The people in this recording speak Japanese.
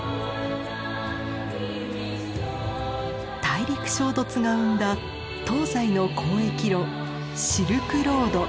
大陸衝突が生んだ東西の交易路シルクロード。